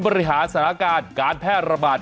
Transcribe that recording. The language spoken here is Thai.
บริหารสถานการณ์การแพร่ระบาด